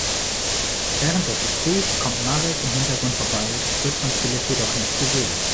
Während des Gesprächs kommt Marek im Hintergrund vorbei, wird von Philipp jedoch nicht gesehen.